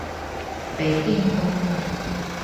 北碇公路